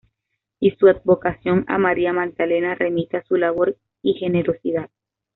Y su advocación a María Magdalena remite a su labor y generosidad.